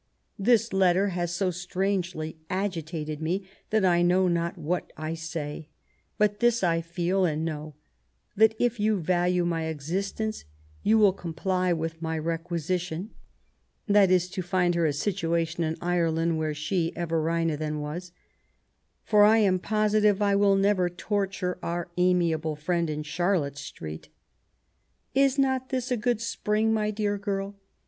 This letter has so strangely agitated me that I know not what I say ; but this I feel and know, that if yon value my existence you will comply with my reqoisition [that is, to find her a situation in Ireland where she, Everina, then was], for I am positive I will never torture our amiable friend in Charlotte Street. Is not this a good spring, my dear girl